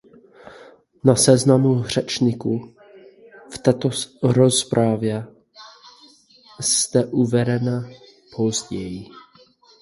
Na seznamu řečníků v této rozpravě jste uvedena později.